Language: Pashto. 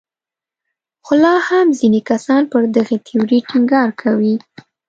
خو لا هم ځینې کسان پر دغې تیورۍ ټینګار کوي.